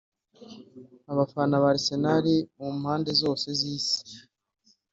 Abafana ba Arsenal mu mpande zose z’Isi